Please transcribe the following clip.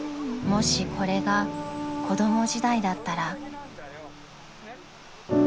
［もしこれが子供時代だったら］